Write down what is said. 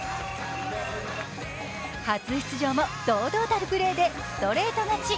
初出場も堂々たるプレーでストレート勝ち。